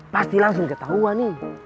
pasti langsung ketahuan